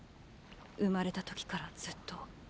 生まれた時からずっと。